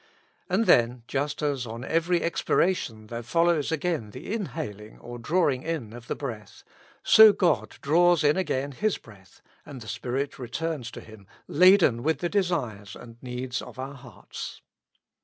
And then, just as on every expiration there follows again the inhaling or drawing in of the breath, so God draws in again His breath, and the Spirit returns to Him laden with the desires and needs of our hearts.